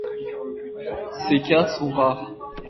Ces cas sont rares.